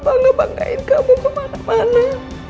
bangga banggain kamu kemana mana